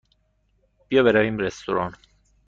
بیا برویم رستوران.